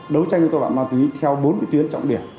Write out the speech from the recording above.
đấu tranh của tội phạm ma túy theo bốn cái tuyến trọng điểm